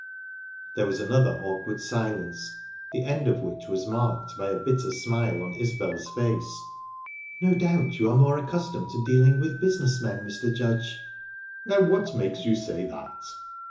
There was another awkward silence, the end of which was marked by a bitter smile on Isbel's face. "No doubt you are more accustomed to dealing with business men, Mr. Judge?" "Now, what makes you say that?"